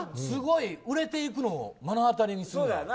すごい売れていくのを目の当たりにした。